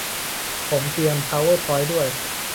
ผมเตรียม พาวเวอร์พอยท์ ด้วย